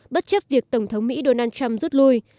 bất chấp việc tổng thống mỹ donald trump rút lui